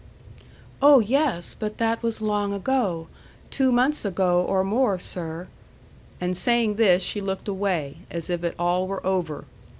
'Oh, yes; but that was long ago; two months ago, or more, sir.' And saying this she looked away, as if it all were over.